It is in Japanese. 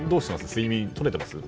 睡眠、とれてますか？